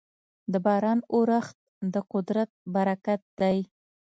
د باران اورښت د قدرت برکت دی.